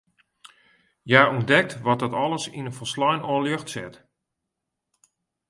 Hja ûntdekt wat dat alles yn in folslein oar ljocht set.